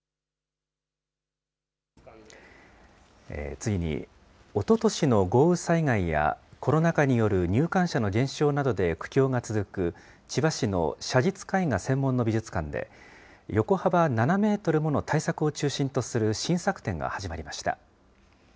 次に、おととしの豪雨災害や、コロナ禍による入館者の減少などで苦境が続く、千葉市の写実絵画専門の美術館で、横幅７メートルもの大作を中心とする新作展が始まりました。